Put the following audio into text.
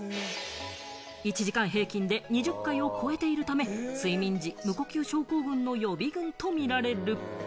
１時間平均で２０回を超えているため、睡眠時無呼吸症候群の予備軍と見られる。